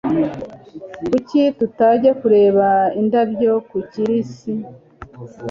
Kuki tutajya kureba indabyo za kirisi?